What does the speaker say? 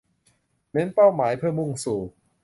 เน้นเป้าหมายเพื่อมุ่งสู่